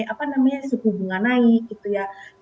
apa namanya suku bunga naik gitu ya